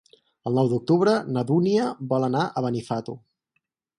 El nou d'octubre na Dúnia vol anar a Benifato.